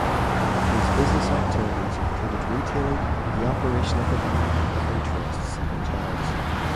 His business activities included retailing, the operation of a bank, and interests in hotels.